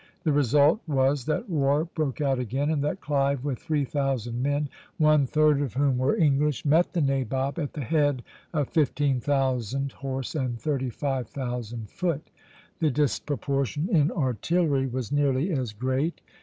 The result was that war broke out again, and that Clive with three thousand men, one third of whom were English, met the nabob at the head of fifteen thousand horse and thirty five thousand foot. The disproportion in artillery was nearly as great.